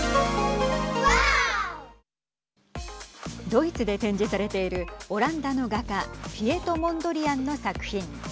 ドイツで展示されているオランダの画家ピエト・モンドリアンの作品。